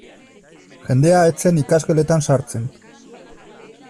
Jendea ez zen ikasgeletan sartzen.